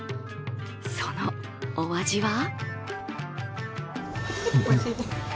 そのお味は？